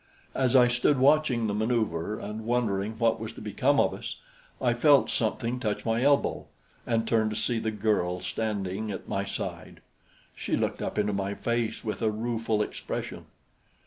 As I stood watching the maneuver and wondering what was to become of us, I felt something touch my elbow and turned to see the girl standing at my side. She looked up into my face with a rueful expression.